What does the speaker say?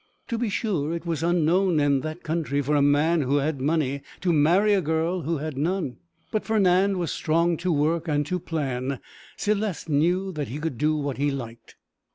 To be sure, it was unknown in that country for a man who had money to marry a girl who had none; but Fernand was strong to work and to plan; Céleste knew that he could do what he liked.